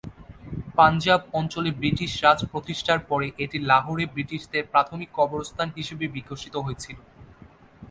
পাঞ্জাব অঞ্চলে ব্রিটিশ রাজ প্রতিষ্ঠার পরে এটি লাহোরে ব্রিটিশদের প্রাথমিক কবরস্থান হিসাবে বিকশিত হয়েছিল।